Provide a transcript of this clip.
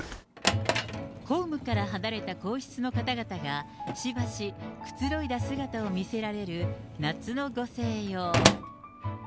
公務から離れた皇室の方々が、しばしくつろいだ姿を見せられる夏のご静養。